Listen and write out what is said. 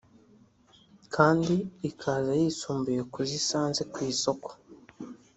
kandi ikaza yisumbuye ku zo isanze ku isoko